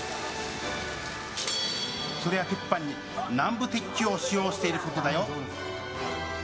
それは鉄板に南部鉄器を使用していることだよ。